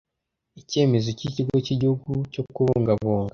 Icyemezo cy Ikigo cy Igihugu cyo Kubungabunga